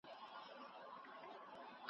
پشه 🦟